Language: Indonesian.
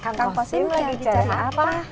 kang kostim lagi cairan apa